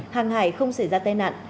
hàng hải không xảy ra tai nạn